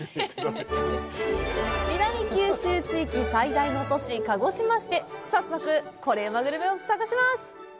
南九州地域最大の都市、鹿児島市で早速、コレうまグルメを探します！